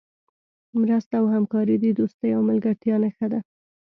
مرسته او همکاري د دوستۍ او ملګرتیا نښه ده.